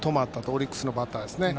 オリックスのバッターがですね。